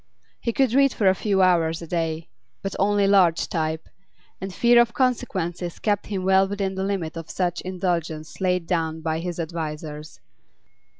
He could read for a few hours a day, but only large type, and fear of consequences kept him well within the limit of such indulgence laid down by his advisers.